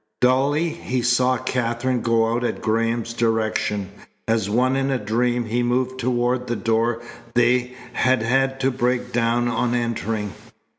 Dully he saw Katherine go out at Graham's direction. As one in a dream he moved toward the door they had had to break down on entering.